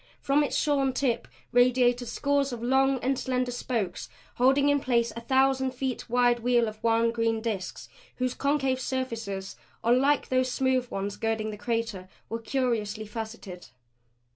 From its shorn tip radiated scores of long and slender spokes holding in place a thousand feet wide wheel of wan green disks whose concave surfaces, unlike those smooth ones girding the crater, were curiously faceted.